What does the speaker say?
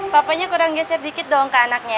papanya kurang geser dikit dong ke anaknya